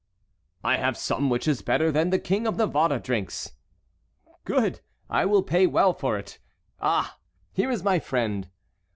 "I have some which is better than the King of Navarre drinks." "Good! I will pay well for it. Ah! here is my friend."